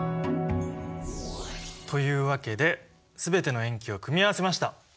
というわけで全ての塩基を組み合わせました。